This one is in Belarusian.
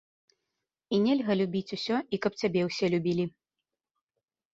І нельга любіць усё, і каб цябе ўсе любілі.